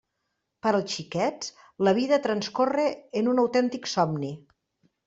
Per als xiquets la vida transcorre en un autèntic somni.